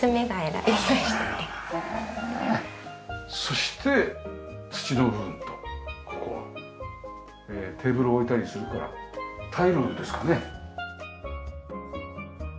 そして土の部分とここはテーブルを置いたりするからタイルですかね。